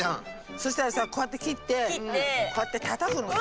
そしたらさこうやって切ってこうやってたたくのさ。